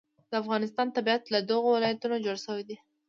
د افغانستان طبیعت له دغو ولایتونو جوړ شوی دی.